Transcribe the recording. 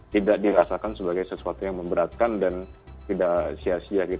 tidak dirasakan sebagai sesuatu yang memberatkan dan tidak